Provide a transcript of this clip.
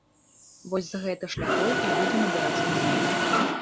Вось з гэты шляхоў і будзем абіраць на з'ездзе.